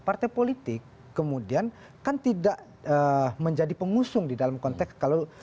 partai politik kemudian kan tidak menjadi pengusung di dalam konteks kalau